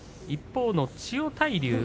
一方の千代大龍